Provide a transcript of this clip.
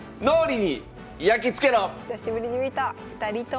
久しぶりに見た。